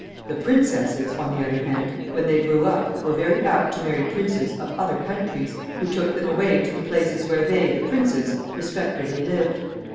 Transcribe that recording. The princesses, on the other hand, when they grew up, were very apt to marry princes of other countries, who took them away to the places where they, the princes, respectively lived.